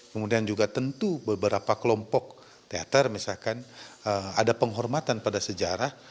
kemudian juga tentu beberapa kelompok teater misalkan ada penghormatan pada sejarah